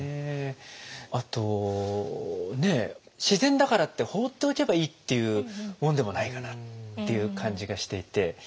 自然だからって放っておけばいいっていうもんでもないかなっていう感じがしていて。